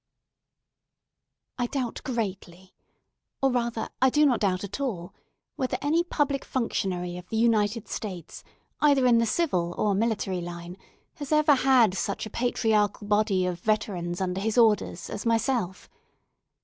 I doubt greatly—or, rather, I do not doubt at all—whether any public functionary of the United States, either in the civil or military line, has ever had such a patriarchal body of veterans under his orders as myself.